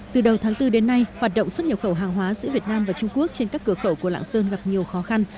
từ đầu tháng bốn đến nay hoạt động xuất nhập khẩu hàng hóa giữa việt nam và trung quốc trên các cửa khẩu của lạng sơn gặp nhiều khó khăn